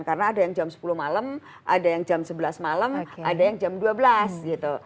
karena ada yang jam sepuluh malam ada yang jam sebelas malam ada yang jam dua belas gitu